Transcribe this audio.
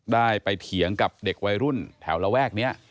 ได้ไปเถียงกับเด็กวัยรุ่นแถวระแวกนี้